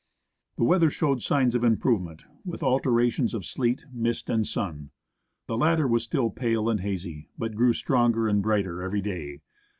The weather showed signs of improvement, with alternations of sleet, mist, and sun. The latter was still pale and hazy, but grew stronger and brighter every day.